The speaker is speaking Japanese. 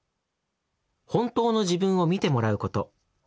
「本当の自分を見てもらうこと。